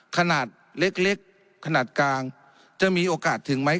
ขนาดเล็กขนาดกลางจะมีโอกาสถึงไหม